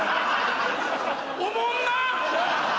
おもんな！